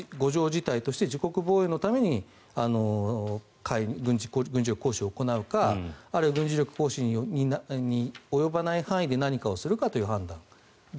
事態として自国防衛のために軍事行使を行うかあるいは軍事力行使に及ばない範囲で何かをするかという判断。